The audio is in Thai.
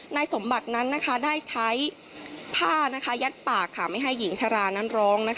นายสมบัตินั้นได้ใช้ผ้ายัดปากไม่ให้หญิงชรานั้นร้อง